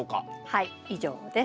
はい以上です。